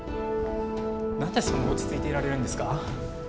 何でそんな落ち着いていられるんですか。